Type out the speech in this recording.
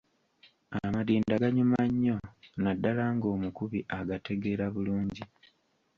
Amadinda ganyuma nnyo naddala ng’omukubi agategeera bulungi.